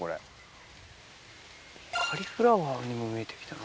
カリフラワーにも見えて来たな。